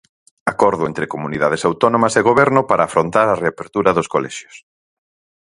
Acordo entre comunidades autónomas e goberno para afrontar a reapertura dos colexios.